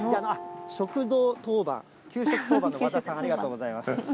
食堂当番、給食当番のわださん、ありがとうございます。